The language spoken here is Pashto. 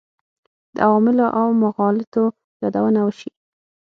د عواملو او مغالطو یادونه وشي.